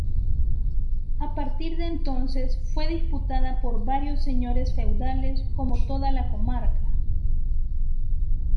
A partir de entonces fue disputada por varios señores feudales, como toda la comarca.